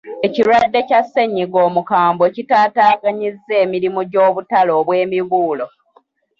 Ekirwadde kya sseennyiga omukambwe kitaataaganyizza emirimu gy'obutale obw'emibuulo..